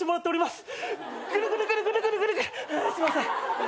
すいません。